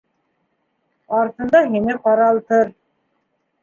Артында һине ҡаралтыр.